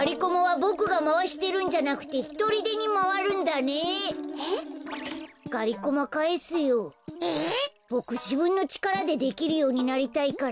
ボクじぶんのちからでできるようになりたいから。